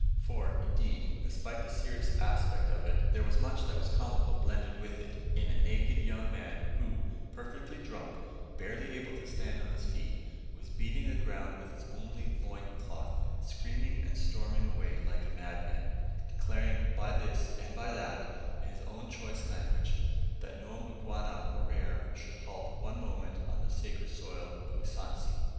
For, indeed, despite the serious aspect of it, there was much that was comical blended with it in a naked young man who perfectly drunk, barely able to stand on his feet was beating the ground with his only loin cloth, screaming and storming away like a madman; declaring by this, and by that, in his own choice language, that no Mgwana or Arab should halt one moment on the sacred soil of Usansi.